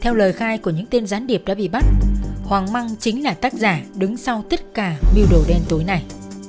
theo lời khai của những tên gián điệp đã bị bắt hoàng măng chính là tác giả đứng sau tất cả mưu đồ đen tối này